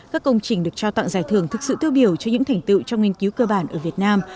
các công trình được trao tặng giải thưởng thực sự tiêu biểu cho những thành tựu trong nghiên cứu cơ bản ở việt nam